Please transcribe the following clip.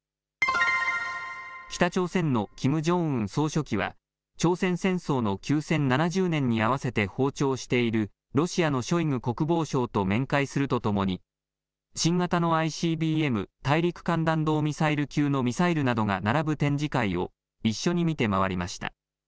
北朝鮮のキム・ジョンウン総書記は朝鮮戦争の休戦７０年に合わせて訪朝しているロシアのショイグ国防相と面会するとともに新型のＩＣＢＭ・大陸間弾道ミサイル級のミサイルなどが並ぶ展示会を一緒に見て回りました。